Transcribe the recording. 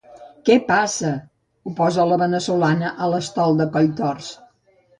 Què passa? —oposa la veneçolana a l'estol de colltorts—.